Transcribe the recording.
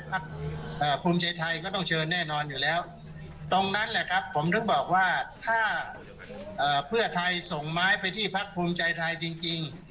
ภูมิใจไทยก็ต้องเชิญแน่นอนอยู่แล้วตรงนั้นแหละครับผมถึงบอกว่าถ้าเพื่อไทยส่งไม้ไปที่พักภูมิใจไทยจริง